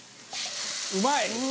うまい！